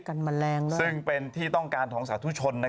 แมลงเลยซึ่งเป็นที่ต้องการของสาธุชน